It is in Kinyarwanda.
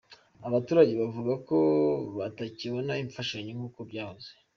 Aba baturage bavuga ko batakibona imfashanyo nk’uko byahoze.